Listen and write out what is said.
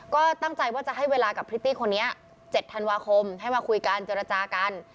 ก็ตั้งใจว่าจะให้เวลากับพริตตี้คนนี้๗ธันวาคมให้มาคุยกันเจรจากัน